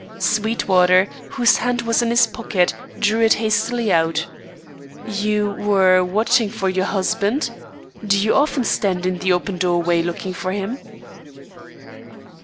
Sweetwater, whose hand was in his pocket, drew it hastily out. "You were watching for your husband? Do you often stand in the open doorway, looking for him?"